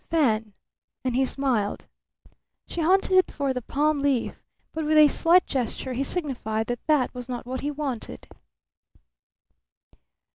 "Fan!" And he smiled. She hunted for the palm leaf, but with a slight gesture he signified that that was not what he wanted.